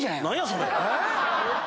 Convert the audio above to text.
それ！